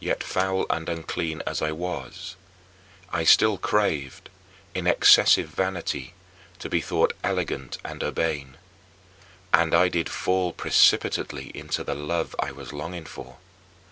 Yet, foul and unclean as I was, I still craved, in excessive vanity, to be thought elegant and urbane. And I did fall precipitately into the love I was longing for.